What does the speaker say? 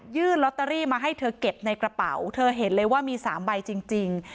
ลอตเตอรี่มาให้เธอเก็บในกระเป๋าเธอเห็นเลยว่ามี๓ใบจริง